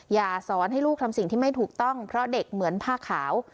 อย่าสอนให้ลูกทำสิ่งที่ไม่ถูกต้องเพราะเด็กเหมือนผ้าขาว